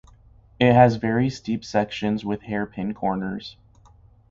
It has very steep sections with hairpin corners.